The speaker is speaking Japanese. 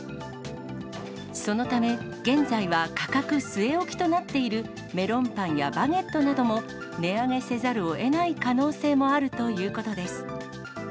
そのため、現在は価格据え置きとなっているメロンパンやバゲットなども、値上げせざるをえない可能性もあるということです。